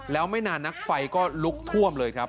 แล้วไม่นานนักไฟก็ลุกท่วมเลยครับ